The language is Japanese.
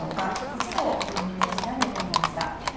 一部を番組で調べてみました。